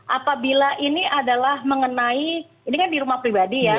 apabila ini adalah mengenai ini kan di rumah pribadi ya